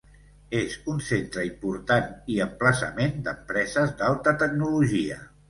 És un centre important i emplaçament d'empreses d'alta tecnologia.